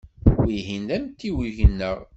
Wihin d amtiweg-nneɣ.